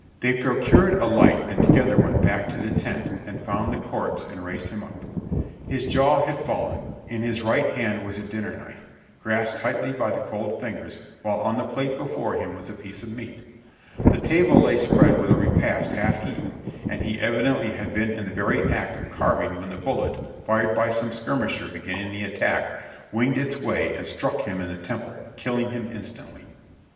They 140 JOHNNY REB AND BILLY YANK procured a light and together went back to the tent, and found the corpse and raised him up. His jaw had fallen; in his right hand was a dinner knife, grasped tightly by the cold fingers, while on the plate before him was a piece of meat; the table lay spread with a repast half eaten, and he evidently had been in the very act of carving when the bullet, fired by some skirmisher beginning the attack, winged its way and struck him in the temple, killing him instantly.